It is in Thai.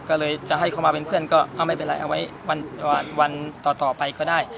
ก็เลยจะให้เขามาเป็นเพื่อนก็ไม่เป็นไรเอาไว้วันต่อไปก็ได้